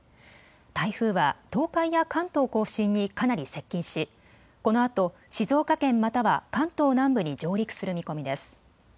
台風は東海や関東甲信にかなり接近し、このあと静岡県または関東南部に上陸する見込みです。